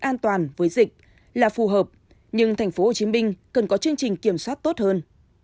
an toàn với dịch là phù hợp nhưng tp hcm cần có chương trình kiểm soát tốt hơn